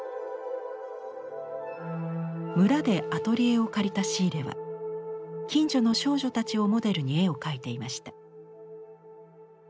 村でアトリエを借りたシーレは近所の少女たちをモデルに絵を描いていました。